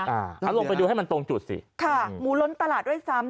เอาลงไปดูให้มันตรงจุดสิค่ะหมูล้นตลาดด้วยซ้ำ